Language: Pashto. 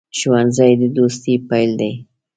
ښوونځی د دوستۍ پیل دی